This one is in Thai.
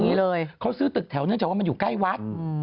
นี้เลยเขาซื้อตึกแถวเนื่องจากว่ามันอยู่ใกล้วัด